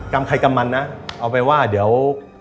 กรรมใครกรรมมันนะเอาไปว่าเดี๋ยว